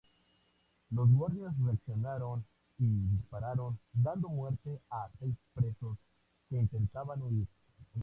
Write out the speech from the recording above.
Los guardias reaccionaron y dispararon dando muerte a seis presos que intentaban huir.